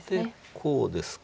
こうですか。